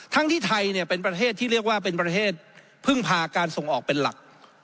ที่ไทยเป็นประเทศที่เรียกว่าเป็นประเทศพึ่งพาการส่งออกเป็นหลัก